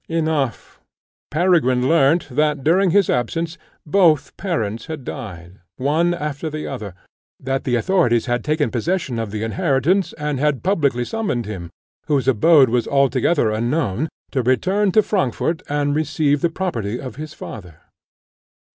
Enough, Peregrine learnt that, during his absence, both parents had died, one after the other; that the authorities had taken possession of the inheritance, and had publicly summoned him, whose abode was altogether unknown, to return to Frankfort and receive the property of his father.